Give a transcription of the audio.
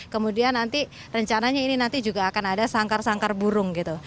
kemudian nanti rencananya ini nanti juga akan ada sangkar sangkar burung gitu